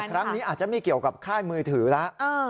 ครั้งนี้อาจจะไม่เกี่ยวกับค่ายมือถือแล้ว